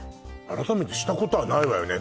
改めてしたことはないわよね